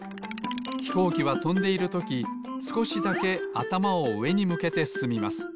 ひこうきはとんでいるときすこしだけあたまをうえにむけてすすみます。